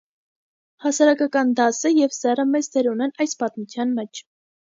Հասարակական դասը և սեռը մեծ դեր ունեն այս պատմության մեջ։